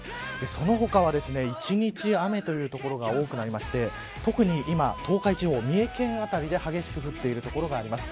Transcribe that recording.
その他は一日雨という所が多くなりまして特に今東海地方、三重県辺りで激しく降っている所があります。